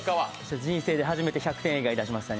人生で初めて１００点以外出しましたね。